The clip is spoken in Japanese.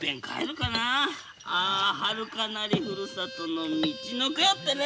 かなりふるさとのみちのくよってね。